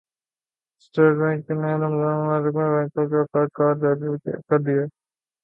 state bank نے رمضان المبارک میں بینکوں کے اوقات کار جاری کردیے